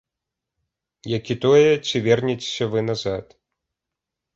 Як і тое, ці вернецеся вы назад.